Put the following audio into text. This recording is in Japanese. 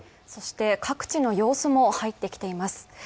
各地の様子も入ってきています。